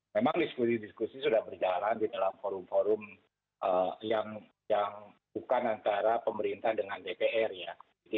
memang diskusi diskusi sudah berjalan di dalam forum forum yang bukan antara pemerintah dengan dpr ya